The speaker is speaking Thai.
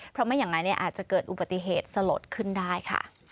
เพราะไม่อย่างนั้นอาจจะเกิดอุบัติเหตุสลดขึ้นได้ค่ะ